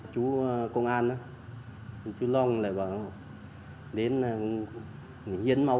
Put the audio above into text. chú công an chú long lại bảo đến hiến máu